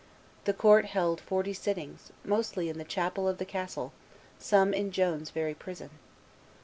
The court held forty sittings, mostly in the chapel of the castle, some in Joan's very prison.